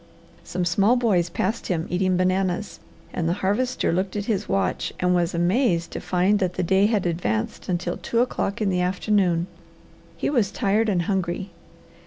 Some small boys passed him eating bananas, and the Harvester looked at his watch and was amazed to find that the day had advanced until two o'clock in the afternoon. He was tired and hungry.